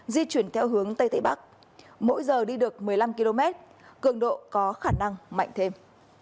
di chuyển theo hướng tây tây bắc mỗi giờ đi được một mươi năm km cường độ có khả năng mạnh thêm